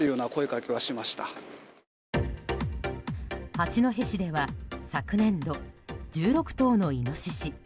八戸市では昨年度、１６頭のイノシシ。